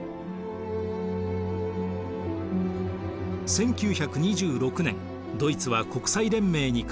１９２６年ドイツは国際連盟に加盟。